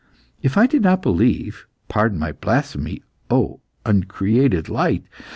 If I did not believe pardon my blasphemy, O uncreated Light!